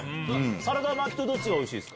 サラダ巻きとどっちがおいしいんですか？